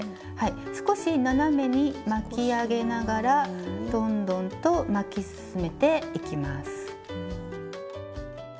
少し斜めに巻き上げながらどんどんと巻き進めていきます。